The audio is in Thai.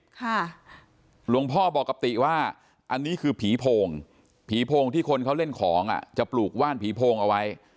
หลวงพ่อบอกกับติว่าอันนี้คือผีโพงผีโพงที่คนเขาเล่นของอ่ะจะปลูกว่านผีโพงเอาไว้